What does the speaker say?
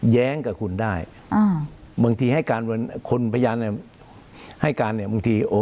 แย้งกับคุณได้อ่าบางทีให้การคนพยานให้การเนี่ยบางทีโอ้